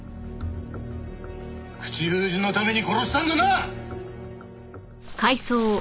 口封じのために殺したんだな！